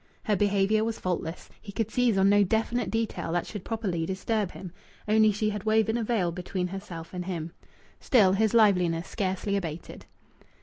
Her behaviour was faultless. He could seize on no definite detail that should properly disturb him; only she had woven a veil between herself and him. Still, his liveliness scarcely abated.